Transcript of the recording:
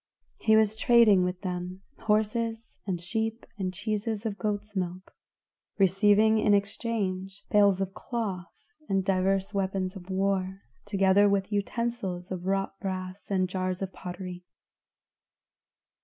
He was trading with them, horses and sheep and cheeses of goat's milk, receiving in exchange bales of cloth and divers weapons of war, together with utensils of wrought brass and jars of pottery.